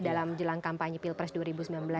dalam jelang kampanye pilpres dua ribu sembilan belas